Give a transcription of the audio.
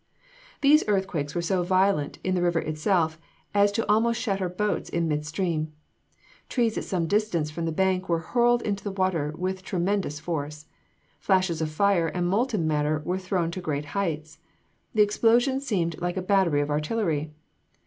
These earthquakes were so violent in the river itself as to almost shatter boats in mid stream. Trees at some distance from the bank were hurled into the water with tremendous force. Flashes of fire and molten matter were thrown to great heights. The explosions seemed like a battery of artillery.